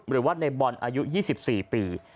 หรือว่าในบอลอายุ๒๔ปี